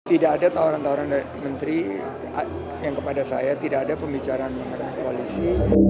tidak ada tawaran tawaran dari menteri yang kepada saya tidak ada pembicaraan mengenai koalisi